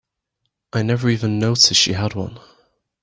I never even noticed she had one.